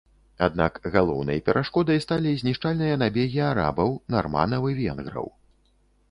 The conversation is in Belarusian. Аднак галоўнай перашкодай сталі знішчальныя набегі арабаў, нарманаў і венграў.